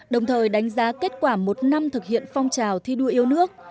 đồng thời đánh giá kết quả một năm thực hiện phong trào thi đua yêu nước